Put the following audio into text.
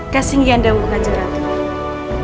kasingi anda wuh kajang ratu